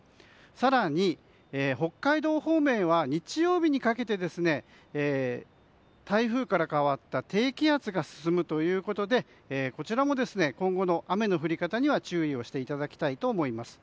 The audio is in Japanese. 更に北海道方面は日曜日にかけて台風から変わった低気圧が進むということでこちらも今後の雨の降り方には注意していただきたいと思います。